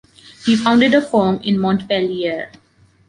He founded a firm in Montpellier.